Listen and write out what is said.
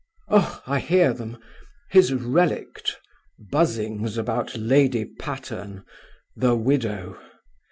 Oh, I hear them. 'His relict!' Buzzings about Lady Patterne. 'The widow.'